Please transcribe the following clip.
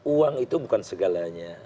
uang itu bukan segalanya